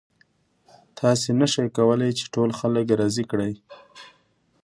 تاسې نشئ کولی چې ټول خلک راضي کړئ.